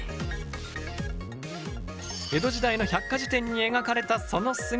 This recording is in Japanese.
江戸時代の百科事典に描かれたその姿は。